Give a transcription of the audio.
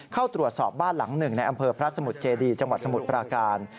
เข้าตรวจสอบบ้านหลังหนึ่งในอำเภอพระสมุทรเจดีจังหวัดสมุทรปราการ